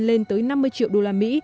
lên tới năm mươi triệu đô la mỹ